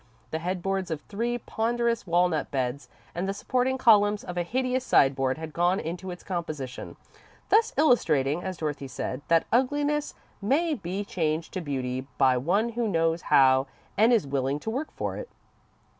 The headboards of three ponderous walnut beds and the supporting columns of a hideous sideboard had gone into its composition, thus illustrating, as Dorothy said, that ugliness may be changed to beauty by one who knows how and is willing to work for it.